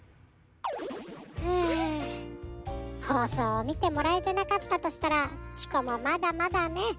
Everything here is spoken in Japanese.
ほうそうをみてもらえてなかったとしたらチコもまだまだね。